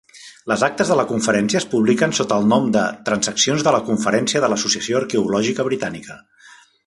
Les actes de la conferència es publiquen sota el nom de "Transaccions de la conferència de l'Associació Arqueològica Britànica".